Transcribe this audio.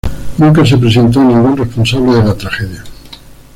Nunca se presentó a ningún responsable de la tragedia.